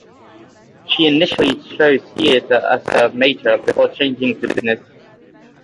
She initially chose theatre as her major before changing to business.